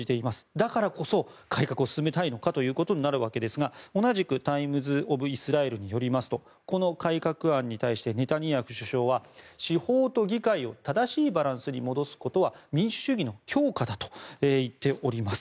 だからこそ改革を進めたいのかということになるわけですが同じくタイムズ・オブ・イスラエルによりますとこの改革案に対してネタニヤフ首相は、司法と議会を正しいバランスに戻すことは民主主義の強化だと言っております。